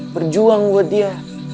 berjuang buat dia